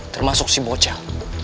termasuk si bocah